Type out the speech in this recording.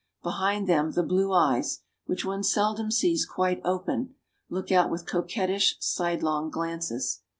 Behind them the blue eyes, which one seldom sees quite open, look out with coquettish, sidelong glances.